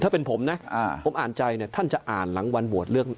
ถ้าเป็นผมนะผมอ่านใจเนี่ยท่านจะอ่านหลังวันโหวตเลือก